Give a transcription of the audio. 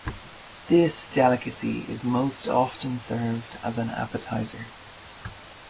This delicacy is most often served as an appetizer.